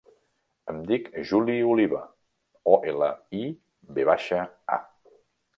Em dic Juli Oliva: o, ela, i, ve baixa, a.